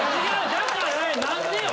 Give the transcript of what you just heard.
だから何でよ